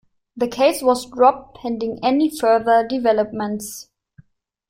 The case was dropped pending any further developments.